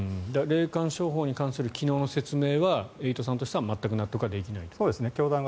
霊感商法に関する昨日の説明はエイトさんとしては全く納得はできないと。